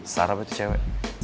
sarah pasti cewe